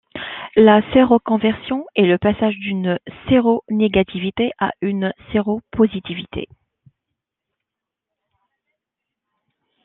La séroconversion est le passage d'une séronégativité à une séropositivité.